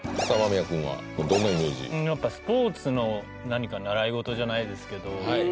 やっぱスポーツの何か習い事じゃないですけど